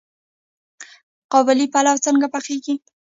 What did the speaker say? قابلي پلاو څنګه پخیږي؟